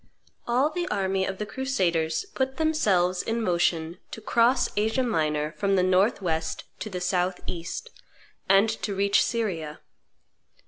All the army of the crusaders put themselves in motion I cross Asia Minor from the north west to the south east, and to reach Syria.